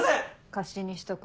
貸しにしとく。